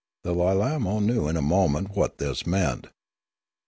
The Lilamo knew in a moment what this meant.